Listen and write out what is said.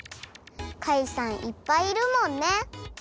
かいさんいっぱいいるもんね！